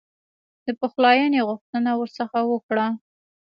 د پخلایني غوښتنه ورڅخه وکړه.